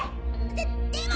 ・ででも。